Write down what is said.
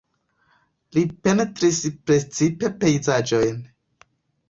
Li pentris precipe pejzaĝojn.